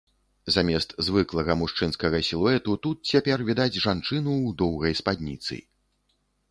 Замест звыклага мужчынскага сілуэту тут цяпер відаць жанчыну ў доўгай спадніцы.